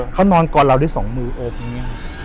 เขานอนกอดเราได้สองมือโอบอย่างนี้